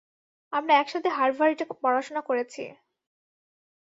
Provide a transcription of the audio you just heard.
আমরা একসাথে হার্ভার্ডে পড়াশোনা করেছি।